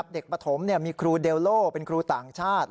ปฐมมีครูเดลโล่เป็นครูต่างชาติ